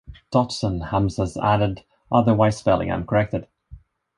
Dots and hamzas added; otherwise, spelling uncorrected.